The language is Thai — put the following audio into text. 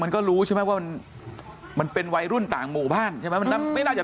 มันก็รู้ใช่ไหมว่ามันเป็นวัยรุ่นต่างหมู่บ้านมันไม่จน